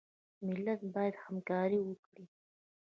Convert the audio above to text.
ملت باید همکاري وکړي